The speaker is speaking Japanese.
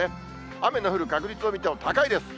雨の降る確率を見ても高いです。